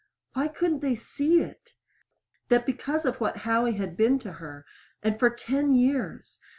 Why couldn't they see it? That because of what Howie had been to her and for ten years!